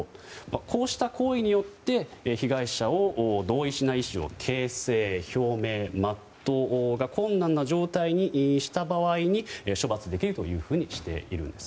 こうした行為によって被害者を同意しない意思の形成・表明・全うが困難な状態にした場合に処罰できるとしているんです。